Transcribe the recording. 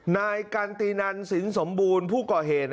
นายการตีนันศิลป์สมบูรณ์ผู้เกาะเหตุ